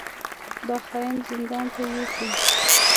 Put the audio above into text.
دا خاين زندان ته يوسئ!